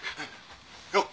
よっ。